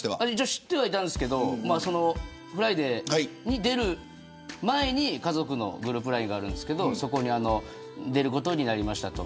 知ってはいましたけれどフライデーに出る前に、家族のグループＬＩＮＥがあるんですがそこに出ることになりました